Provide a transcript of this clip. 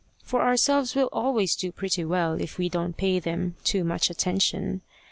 For our Selves will always do pretty well if we don't pay them too much attention.